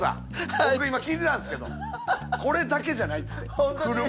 僕今聞いてたんっすけどこれだけじゃないんですって車。